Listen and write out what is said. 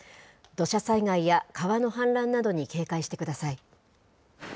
土砂災害や川の氾濫などに警戒してください。